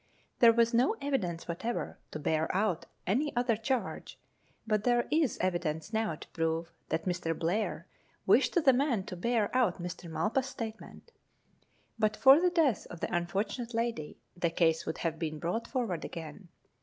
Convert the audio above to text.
There was no evidence whatever to bear out any other charge, but there is evidence now to prove that Mr. Blair wished the man to bear out Mrs. Malpas's state ment. But for the death of the unfortunate lady, the case would have been brought forward again.